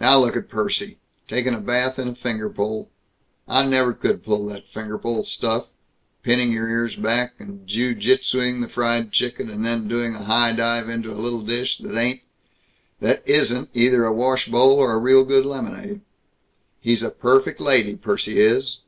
"Now look at Percy! Taking a bath in a finger bowl. I never could pull that finger bowl stuff; pinning your ears back and jiu jitsing the fried chicken, and then doing a high dive into a little dish that ain't that isn't either a wash bowl or real good lemonade. He's a perfect lady, Percy is.